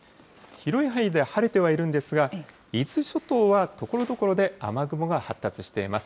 広い範囲で晴れてはいるんですが、伊豆諸島はところどころで雨雲が発達しています。